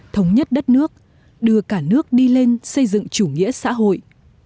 thống nhất đất nước đưa cả nước đi lên xây dựng chủ nghĩa xã hội